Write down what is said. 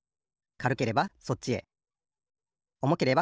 かるければそっち。